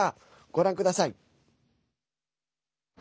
ご覧ください。